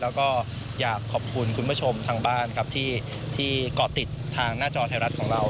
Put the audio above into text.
แล้วก็อยากขอบคุณคุณผู้ชมทางบ้านครับที่เกาะติดทางหน้าจอไทยรัฐของเรา